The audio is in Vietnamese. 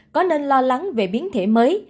có nên lo lắng về biến thể mới